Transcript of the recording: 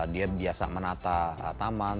dia biasa menata taman